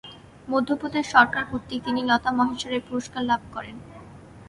মধ্যপ্রদেশ সরকার কর্তৃক তিনি লতা মঙ্গেশকর পুরস্কার লাভ করেন।